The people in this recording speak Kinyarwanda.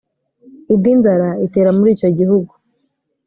indi nzara itera muri icyo gihugu